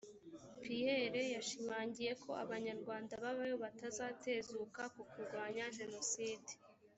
pierre yashimangiye ko abanyarwanda baba yo batazatezuka ku kurwanya genocide